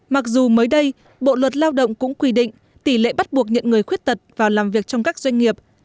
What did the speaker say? mặc dù mới đây bộ luật lao động cũng quy định tỷ lệ bắt buộc nhận người khuyết tật vào làm việc trong các doanh nghiệp